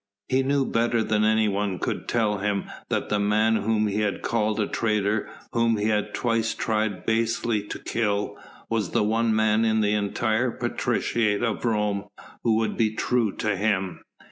He knew better than anyone could tell him that the man whom he had called a traitor, whom he had twice tried basely to kill, was the one man in the entire patriciate of Rome who would be true to him.